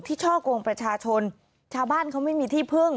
ช่อกงประชาชนชาวบ้านเขาไม่มีที่พึ่ง